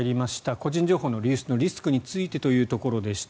個人情報の流出のリスクについてというところでした。